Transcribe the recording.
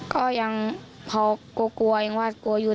ก็ยังพอกลัวยังว่ากลัวอยู่